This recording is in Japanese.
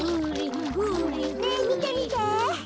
ねえみてみて。